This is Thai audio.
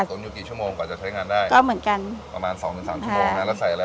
อยู่กี่ชั่วโมงกว่าจะใช้งานได้ก็เหมือนกันประมาณสองถึงสามชั่วโมงนะแล้วใส่อะไร